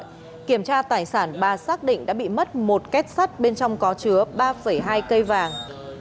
khi kiểm tra tài sản bà xác định đã bị mất một kết sắt bên trong có chứa ba hai cây vàng